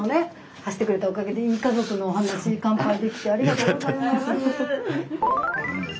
走ってくれたおかげでいい家族のお話乾杯できてありがとうございます。